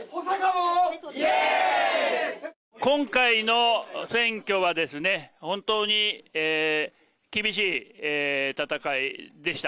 今回の選挙は、本当に厳しい戦いでした。